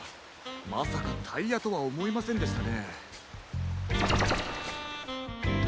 まさかタイヤとはおもいませんでしたね。